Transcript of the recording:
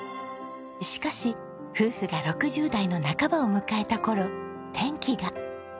しかし夫婦が６０代の半ばを迎えた頃転機が。